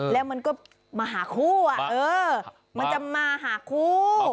แล้วมันก็มาหาคู่มันจะมาหาคู่